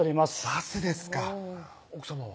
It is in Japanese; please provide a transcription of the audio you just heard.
バスですか奥さまは？